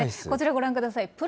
こちら、ご覧ください。